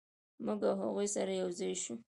موږ او هغوی سره یو ځای شوو.